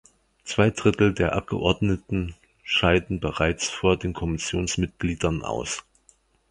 Zwei Drittel der Abgeordneten scheiden bereits vor den Kommissionsmitgliedern aus.